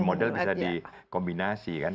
model bisa dikombinasi kan